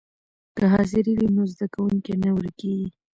که حاضري وي نو زده کوونکی نه ورکېږي.